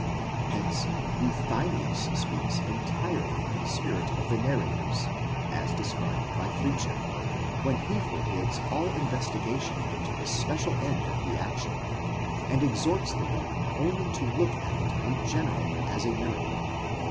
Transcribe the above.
8 Hence Euthymius speaks entirely in the spirit of the narrators, as described by Fritzsche,!® when he forbids all investigation into the special end of the action, and exhorts the reader only to look at it in general as a miracle.